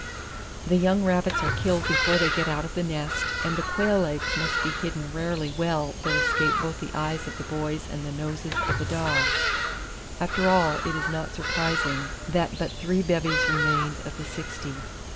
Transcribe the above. The young rabbits are killed before they get out of the nest, and the quail eggs must be hidden rarely well that escape both the eyes of the boys and the noses of the dogs. After all it is not surprising that but three bevies remained of the sixty.